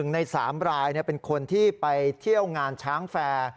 ใน๓รายเป็นคนที่ไปเที่ยวงานช้างแฟร์